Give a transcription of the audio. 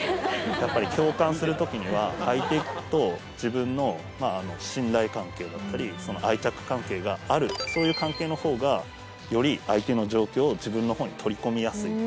やっぱり共感するときには相手と自分のまああのだったりその愛着関係があるそういう関係の方がより相手の状況を自分の方に取り込みやすい